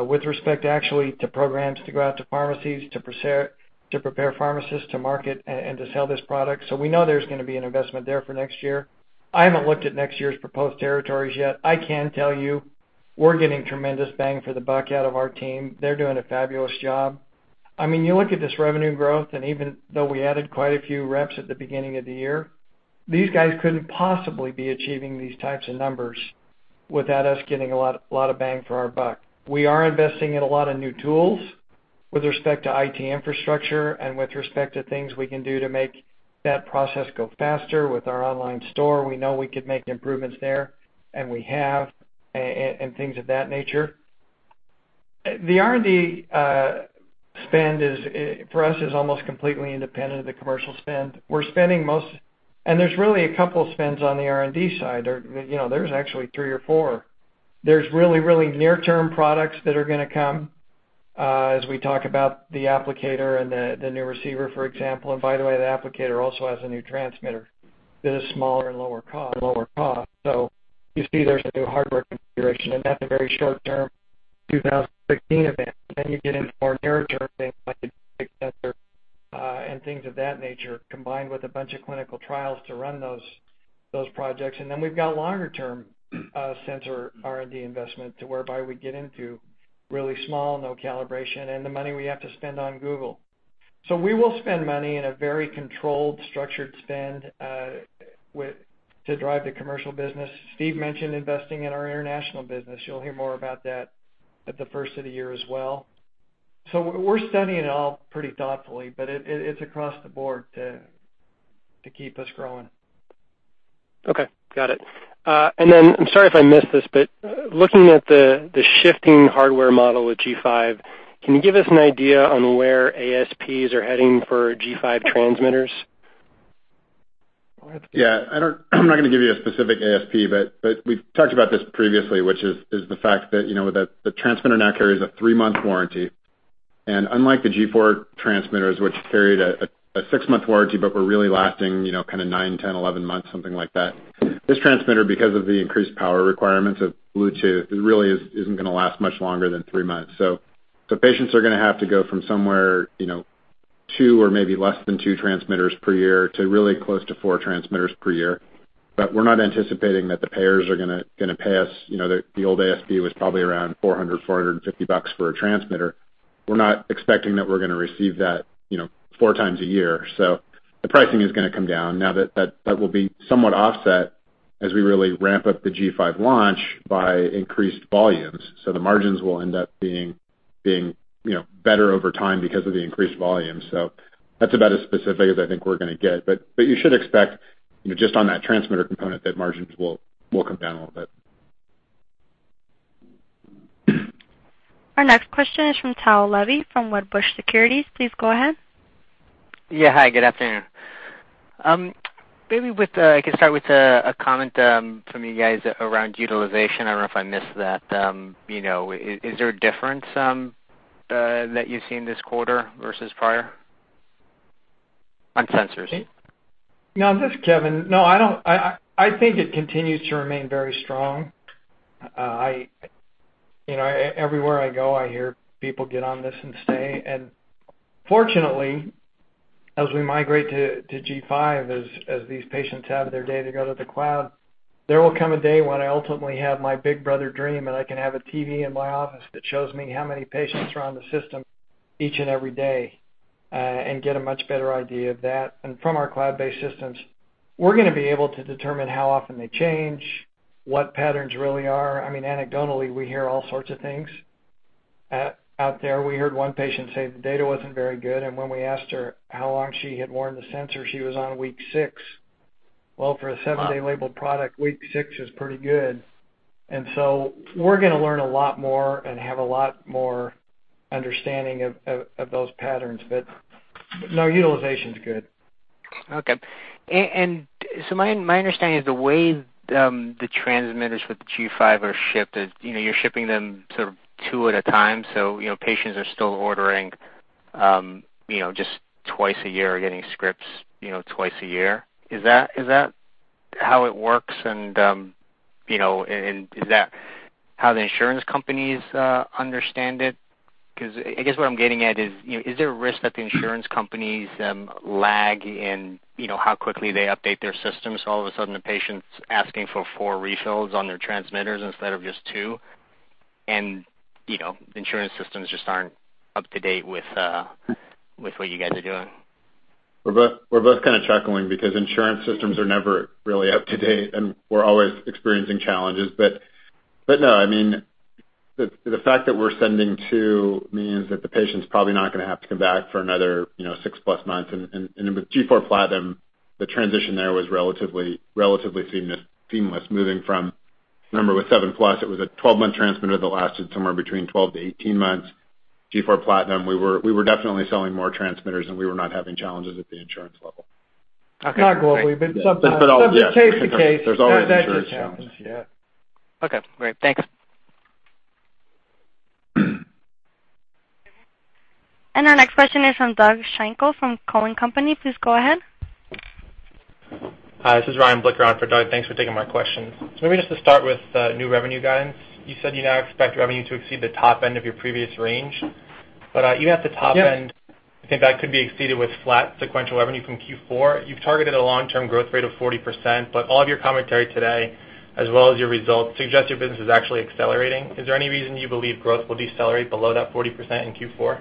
with respect actually to programs to go out to pharmacies, to prepare pharmacists to market and to sell this product. We know there's gonna be an investment there for next year. I haven't looked at next year's proposed territories yet. I can tell you we're getting tremendous bang for the buck out of our team. They're doing a fabulous job. I mean, you look at this revenue growth, and even though we added quite a few reps at the beginning of the year, these guys couldn't possibly be achieving these types of numbers without us getting a lot, a lot of bang for our buck. We are investing in a lot of new tools with respect to IT infrastructure and with respect to things we can do to make that process go faster with our online store. We know we could make improvements there, and we have, and things of that nature. The R&D spend is, for us, almost completely independent of the commercial spend. We're spending most. There's really a couple spends on the R&D side. You know, there's actually three or four. There's really near-term products that are gonna come as we talk about the applicator and the new receiver, for example. By the way, the applicator also has a new transmitter that is smaller and lower cost. You see there's a new hardware configuration, and that's a very short-term 2016 event. You get into more near-term things like the extender, and things of that nature, combined with a bunch of clinical trials to run those projects. We've got longer-term sensor R&D investment to whereby we get into really small, no calibration, and the money we have to spend on Google. We will spend money in a very controlled, structured spend, with to drive the commercial business. Steve mentioned investing in our international business. You'll hear more about that at the first of the year as well. We're studying it all pretty thoughtfully, but it's across the board to keep us growing. Okay. Got it. I'm sorry if I missed this, but looking at the shifting hardware model with G5, can you give us an idea on where ASPs are heading for G5 transmitters? Well, that's. Yeah. I'm not gonna give you a specific ASP, but we've talked about this previously, which is the fact that, you know, that the transmitter now carries a three-month warranty. Unlike the G4 transmitters, which carried a six-month warranty but were really lasting, you know, kinda 9, 10, 11 months, something like that, this transmitter, because of the increased power requirements of Bluetooth, really isn't gonna last much longer than three months. The patients are gonna have to go from somewhere, you know, 2 or maybe less than 2 transmitters per year to really close to 4 transmitters per year. We're not anticipating that the payers are gonna pay us, you know, the old ASP was probably around $400-$450 for a transmitter. We're not expecting that we're gonna receive that, you know, four times a year. The pricing is gonna come down. Now that will be somewhat offset as we really ramp up the G5 launch by increased volumes. The margins will end up being, you know, better over time because of the increased volume. That's about as specific as I think we're gonna get. You should expect, you know, just on that transmitter component, that margins will come down a little bit. Our next question is from Tao Levy from Wedbush Securities. Please go ahead. Yeah. Hi, good afternoon. Maybe I can start with a comment from you guys around utilization. I don't know if I missed that. You know, is there a difference that you've seen this quarter versus prior on sensors? No, this is Kevin. No, I don't. I think it continues to remain very strong. You know, everywhere I go, I hear people get on this and stay. Fortunately, as we migrate to G5, as these patients have their data go to the cloud, there will come a day when I ultimately have my big brother dream, and I can have a TV in my office that shows me how many patients are on the system each and every day, and get a much better idea of that. From our cloud-based systems, we're gonna be able to determine how often they change, what patterns really are. I mean, anecdotally, we hear all sorts of things out there. We heard one patient say the data wasn't very good, and when we asked her how long she had worn the sensor, she was on week six. Well, for a seven-day labeled product, week six is pretty good. We're gonna learn a lot more and have a lot more understanding of those patterns. No, utilization's good. My understanding is the way the transmitters with the G5 are shipped is, you know, you're shipping them sort of two at a time, so, you know, patients are still ordering, you know, just twice a year or getting scripts, you know, twice a year. Is that? How it works and, you know, and is that how the insurance companies understand it? 'Cause I guess what I'm getting at is, you know, is there a risk that the insurance companies lag in, you know, how quickly they update their systems? All of a sudden the patient's asking for 4 refills on their transmitters instead of just 2, and, you know, insurance systems just aren't up to date with what you guys are doing. We're both kind of chuckling because insurance systems are never really up to date, and we're always experiencing challenges. No, I mean, the fact that we're sending two means that the patient's probably not gonna have to come back for another, you know, 6+ months. With G4 PLATINUM, the transition there was relatively seamless. Moving from, remember with SEVEN PLUS it was a 12-month transmitter that lasted somewhere between 12-18 months. G4 PLATINUM, we were definitely selling more transmitters, and we were not having challenges at the insurance level. Not globally, but sometimes. all, yeah. Sometimes case to case. There's always insurance challenges. That just happens, yeah. Okay, great. Thanks. Our next question is from Doug Schenkel from Cowen and Company. Please go ahead. Hi, this is Ryan Blicker on for Doug, thanks for taking my questions. Maybe just to start with, new revenue guidance. You said you now expect revenue to exceed the top end of your previous range, but, even at the top end- Yes. I think that could be exceeded with flat sequential revenue from Q4. You've targeted a long-term growth rate of 40%, but all of your commentary today as well as your results suggest your business is actually accelerating. Is there any reason you believe growth will decelerate below that 40% in Q4?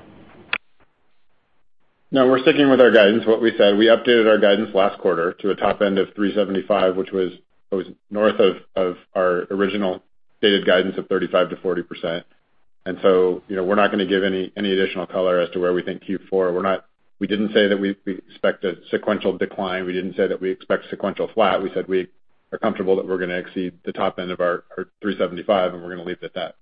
No, we're sticking with our guidance, what we said. We updated our guidance last quarter to a top end of $375, which was north of our original stated guidance of 35%-40%. You know, we're not gonna give any additional color as to where we think Q4. We didn't say that we expect a sequential decline. We didn't say that we expect sequential flat. We said we are comfortable that we're gonna exceed the top end of our $375, and we're gonna leave it at that.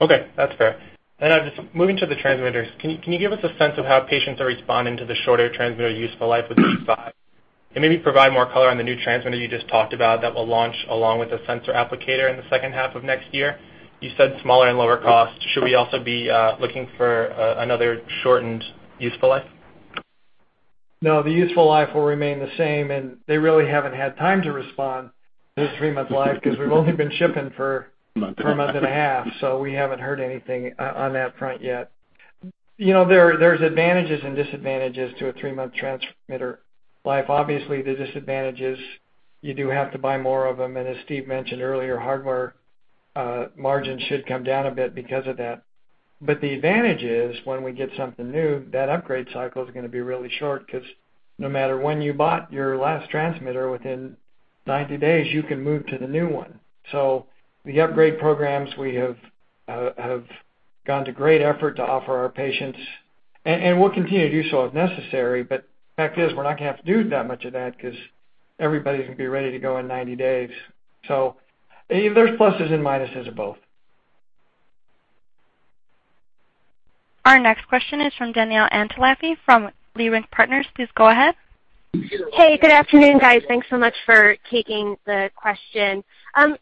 Okay. That's fair. Just moving to the transmitters, can you give us a sense of how patients are responding to the shorter transmitter useful life with G5? Maybe provide more color on the new transmitter you just talked about that will launch along with the sensor applicator in the second half of next year. You said smaller and lower cost. Should we also be looking for another shortened useful life? No, the useful life will remain the same, and they really haven't had time to respond this three-month life 'cause we've only been shipping for. A month and a half. For a month and a half, so we haven't heard anything on that front yet. You know, there's advantages and disadvantages to a 3-month transmitter life. Obviously, the disadvantage is you do have to buy more of them, and as Steve mentioned earlier, hardware margins should come down a bit because of that. The advantage is when we get something new, that upgrade cycle is gonna be really short 'cause no matter when you bought your last transmitter, within 90 days you can move to the new one. The upgrade programs we have have gone to great effort to offer our patients and we'll continue to do so if necessary. The fact is we're not gonna have to do that much of that 'cause everybody's gonna be ready to go in 90 days. There's pluses and minuses of both. Our next question is from Danielle Antalffy from Leerink Partners. Please go ahead. Hey, good afternoon, guys. Thanks so much for taking the question.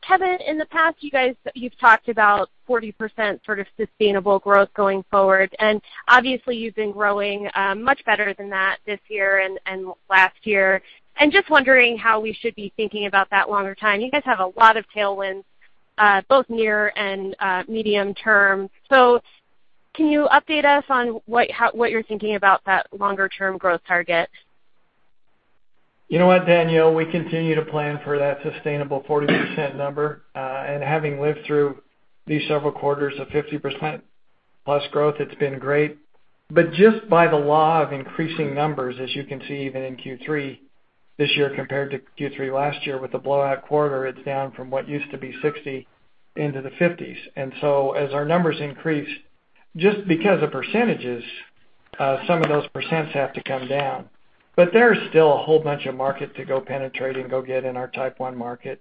Kevin, in the past, you guys, you've talked about 40% sort of sustainable growth going forward, and obviously you've been growing much better than that this year and last year. Just wondering how we should be thinking about that longer time. You guys have a lot of tailwinds both near and medium term. Can you update us on what, how, what you're thinking about that longer term growth target? You know what, Danielle, we continue to plan for that sustainable 40% number. Having lived through these several quarters of 50%+ growth, it's been great. Just by the law of increasing numbers, as you can see even in Q3 this year compared to Q3 last year with the blowout quarter, it's down from what used to be 60 into the 50s. As our numbers increase, just because of percentages, some of those percents have to come down. There is still a whole bunch of market to go penetrate and go get in our Type 1 market.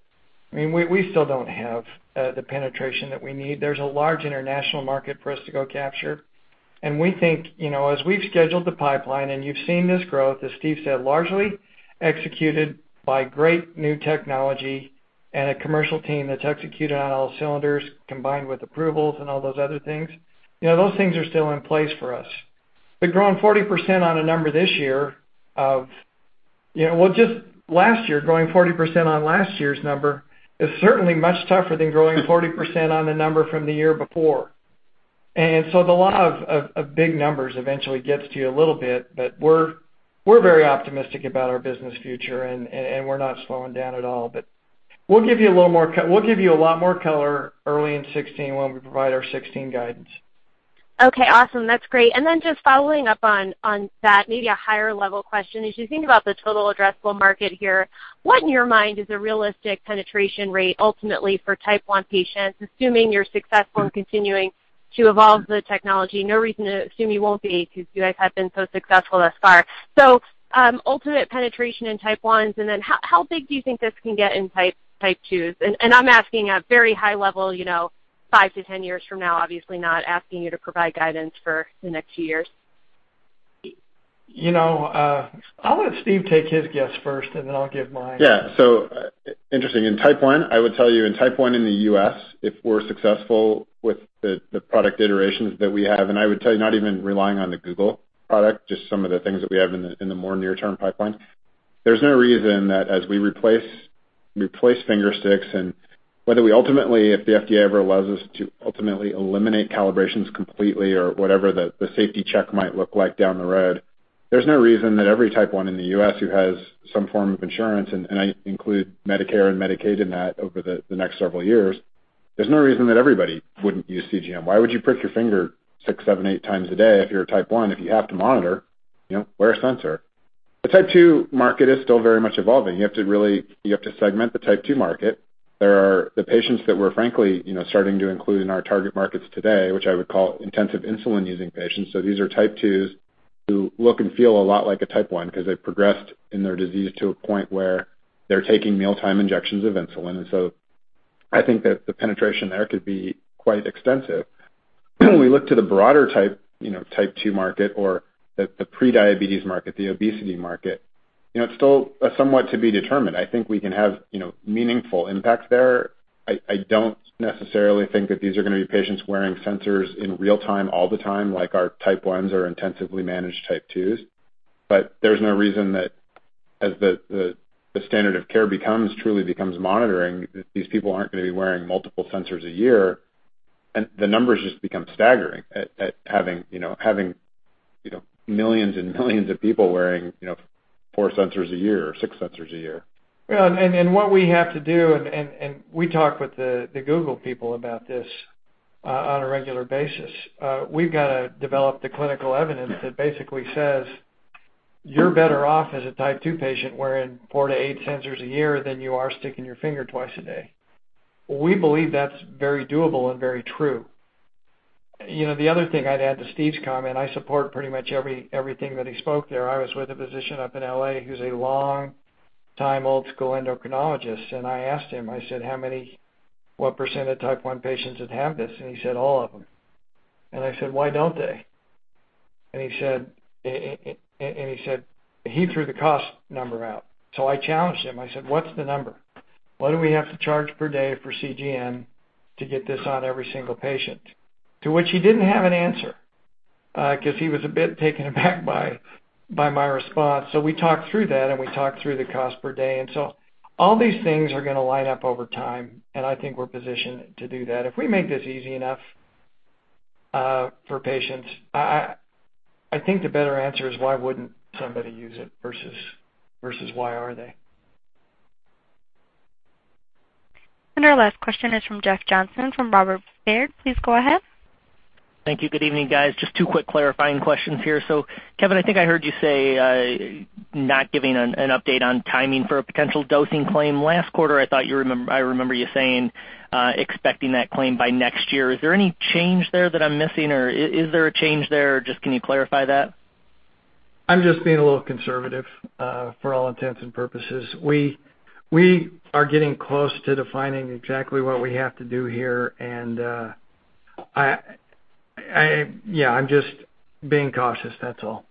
I mean, we still don't have the penetration that we need. There's a large international market for us to go capture. We think, you know, as we've scheduled the pipeline and you've seen this growth, as Steve said, largely executed by great new technology and a commercial team that's executed on all cylinders, combined with approvals and all those other things, you know, those things are still in place for us. Growing 40% on a number this year of, you know, well, just last year, growing 40% on last year's number is certainly much tougher than growing 40% on the number from the year before. The law of big numbers eventually gets to you a little bit, but we're very optimistic about our business future and we're not slowing down at all. We'll give you a lot more color early in 2016 when we provide our 2016 guidance. Okay, awesome. That's great. Just following up on that, maybe a higher level question. As you think about the total addressable market here, what in your mind is a realistic penetration rate ultimately for Type one patients, assuming you're successful in continuing to evolve the technology? No reason to assume you won't be, because you guys have been so successful thus far. Ultimate penetration in Type 1s, and then how big do you think this can get in Type 2s? I'm asking at very high level, you know, 5 to 10 years from now, obviously not asking you to provide guidance for the next 2 years. You know, I'll let Steve take his guess first, and then I'll give mine. Interesting. In Type 1, I would tell you in Type 1 in the US, if we're successful with the product iterations that we have, and I would tell you, not even relying on the Google product, just some of the things that we have in the more near-term pipeline. There's no reason that as we replace finger sticks and whether we ultimately, if the FDA ever allows us to ultimately eliminate calibrations completely or whatever the safety check might look like down the road, there's no reason that every Type 1 in the US who has some form of insurance, and I include Medicare and Medicaid in that over the next several years, there's no reason that everybody wouldn't use CGM. Why would you prick your finger 6, 7, 8x a day if you're a Type 1 if you have to monitor? You know, wear a sensor. The Type 2 market is still very much evolving. You have to segment the Type 2 market. There are the patients that we're frankly, you know, starting to include in our target markets today, which I would call intensive insulin-using patients. These are Type 2s who look and feel a lot like a Type 1 'cause they've progressed in their disease to a point where they're taking mealtime injections of insulin. I think that the penetration there could be quite extensive. When we look to the broader type, you know, Type 2 market or the pre-diabetes market, the obesity market, you know, it's still somewhat to be determined. I think we can have, you know, meaningful impacts there. I don't necessarily think that these are gonna be patients wearing sensors in real-time all the time like our Type ones or intensively managed Type twos. But there's no reason that as the standard of care becomes, truly becomes monitoring, that these people aren't gonna be wearing multiple sensors a year. The numbers just become staggering at having, you know, millions and millions of people wearing, you know, four sensors a year or six sensors a year. What we have to do and we talk with the Google people about this on a regular basis. We've gotta develop the clinical evidence that basically says you're better off as a Type 2 patient wearing 4-8 sensors a year than you are sticking your finger twice a day. We believe that's very doable and very true. The other thing I'd add to Steve's comment, I support pretty much everything that he spoke there. I was with a physician up in L.A. who's a long time old school endocrinologist, and I asked him. I said, "What % of Type 1 patients would have this?" He said, "All of them." I said, "Why don't they?" He said, and he said he threw the cost number out. I challenged him. I said, "What's the number? What do we have to charge per day for CGM to get this on every single patient?" To which he didn't have an answer, 'cause he was a bit taken aback by my response. We talked through that, and we talked through the cost per day. All these things are gonna line up over time, and I think we're positioned to do that. If we make this easy enough, for patients, I think the better answer is why wouldn't somebody use it versus why are they? Our last question is from Jeff Johnson from Robert W. Baird. Please go ahead. Thank you. Good evening, guys. Just two quick clarifying questions here. Kevin, I think I heard you say not giving an update on timing for a potential dosing claim. Last quarter I remember you saying expecting that claim by next year. Is there any change there that I'm missing or is there a change there or just can you clarify that? I'm just being a little conservative, for all intents and purposes. We are getting close to defining exactly what we have to do here. Yeah, I'm just being cautious, that's all.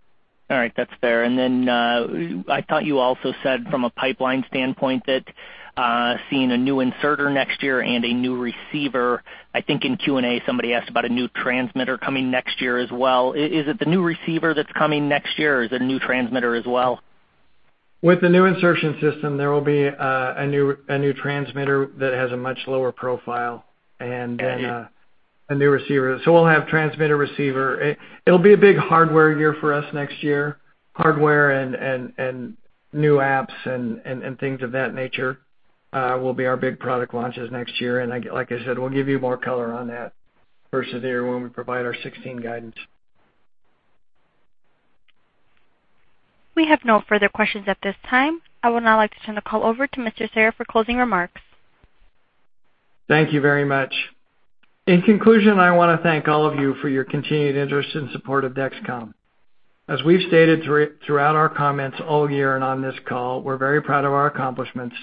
All right, that's fair. I thought you also said from a pipeline standpoint that seeing a new inserter next year and a new receiver. I think in Q&A somebody asked about a new transmitter coming next year as well. Is it the new receiver that's coming next year, or is it a new transmitter as well? With the new insertion system, there will be a new transmitter that has a much lower profile and a new receiver. We'll have transmitter, receiver. It'll be a big hardware year for us next year. Hardware and new apps and things of that nature will be our big product launches next year. Like I said, we'll give you more color on that versus there when we provide our 2016 guidance. We have no further questions at this time. I would now like to turn the call over to Mr. Sayer for closing remarks. Thank you very much. In conclusion, I wanna thank all of you for your continued interest and support of Dexcom. As we've stated throughout our comments all year and on this call, we're very proud of our accomplishments.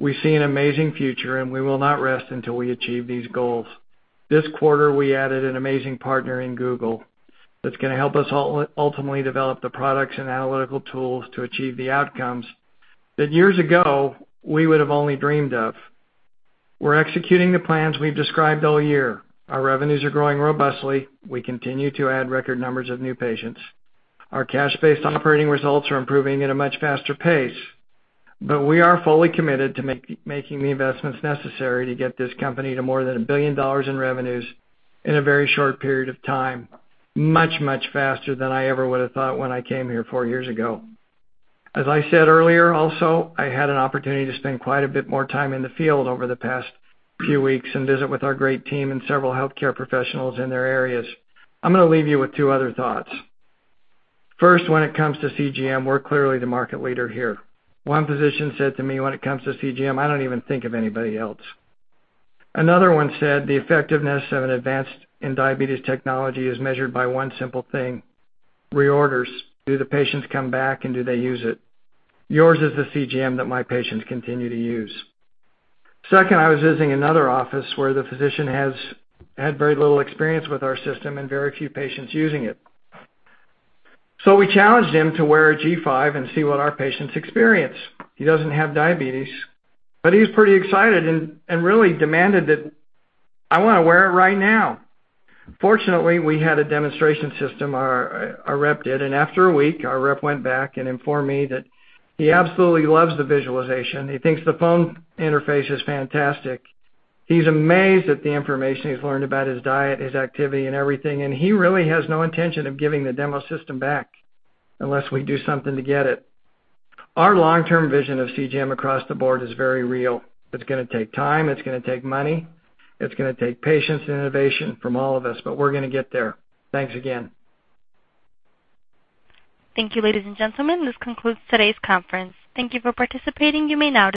We see an amazing future, and we will not rest until we achieve these goals. This quarter we added an amazing partner in Google that's gonna help us ultimately develop the products and analytical tools to achieve the outcomes that years ago we would have only dreamed of. We're executing the plans we've described all year. Our revenues are growing robustly. We continue to add record numbers of new patients. Our cash-based operating results are improving at a much faster pace, but we are fully committed to making the investments necessary to get this company to more than $1 billion in revenues in a very short period of time, much, much faster than I ever would have thought when I came here four years ago. As I said earlier, also, I had an opportunity to spend quite a bit more time in the field over the past few weeks and visit with our great team and several healthcare professionals in their areas. I'm gonna leave you with two other thoughts. First, when it comes to CGM, we're clearly the market leader here. One physician said to me, "When it comes to CGM, I don't even think of anybody else." Another one said, "The effectiveness of an advance in diabetes technology is measured by one simple thing, reorders. Do the patients come back and do they use it? Yours is the CGM that my patients continue to use." Second, I was visiting another office where the physician has had very little experience with our system and very few patients using it. We challenged him to wear a G5 and see what our patients experience. He doesn't have diabetes, but he's pretty excited and really demanded that, "I wanna wear it right now." Fortunately, we had a demonstration system, our rep did, and after a week, our rep went back and informed me that he absolutely loves the visualization. He thinks the phone interface is fantastic. He's amazed at the information he's learned about his diet, his activity and everything, and he really has no intention of giving the demo system back unless we do something to get it. Our long-term vision of CGM across the board is very real. It's gonna take time, it's gonna take money, it's gonna take patience and innovation from all of us, but we're gonna get there. Thanks again. Thank you, ladies and gentlemen. This concludes today's conference. Thank you for participating. You may now disconnect.